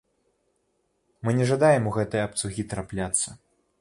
Мы не жадаем у гэтыя абцугі трапляцца.